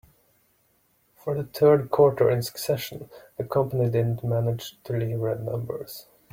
For the third quarter in succession, the company didn't manage to leave red numbers.